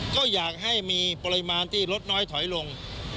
ก็อยากให้มีปริมาณที่ลดน้อยถอยลง